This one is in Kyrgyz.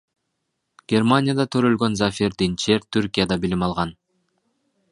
Германияда төрөлгөн Зафер Динчер Түркияда билим алган.